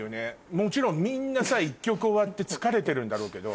もちろんみんな１曲終わって疲れてるんだろうけど。